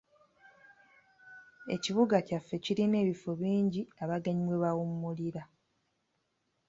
Ekibuga kyaffe kirina ebifo bingi abagenyi mwe bawummulira.